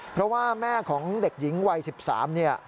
เพราะว่าแม่ของเด็กหญิงวัย๑๓เนี่ย